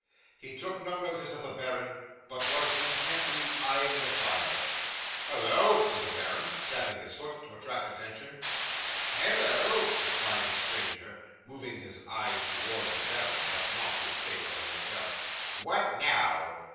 He took no notice of the baron, but was intently eyeing the fire. '"Halloa!" said the baron, stamping his foot to attract attention. '"Halloa!" replied the stranger, moving his eyes towards the baron, but not his face or himself "What now?"